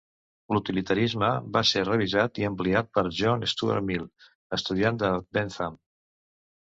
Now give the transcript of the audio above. L'utilitarisme va ser revisat i ampliat per John Stuart Mill, estudiant de Bentham.